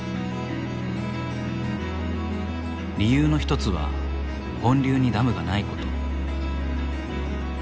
理由の一つは本流にダムがないこと。